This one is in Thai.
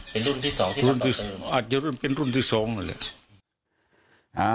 เป็นรุ่นที่สองอาจจะเป็นรุ่นที่สองเลย